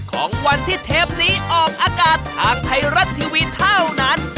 ของวันที่เทปนี้ออกอากาศทางไทยรัฐทีวีเท่านั้น